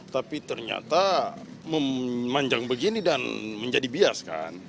tapi ternyata memanjang begini dan menjadi bias kan